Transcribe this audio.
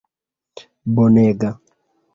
bonega